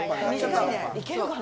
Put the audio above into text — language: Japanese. いけるかな？